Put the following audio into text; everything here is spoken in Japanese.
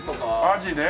アジね。